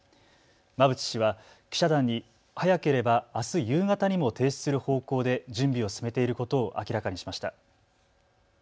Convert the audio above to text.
馬淵氏は記者団に早ければあす夕方にも提出する方向で準備を進めていることを明らかにしました。